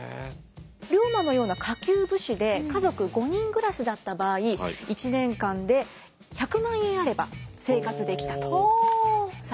龍馬のような下級武士で家族５人暮らしだった場合１年間で１００万円あれば生活できたとされています。